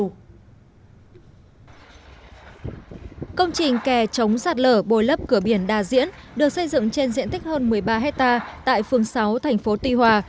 công trình kẻ chống sạt lở bồi lấp cửa biển đà diễn được xây dựng trên diện tích hơn một mươi ba hectare tại phương sáu tp tuy hòa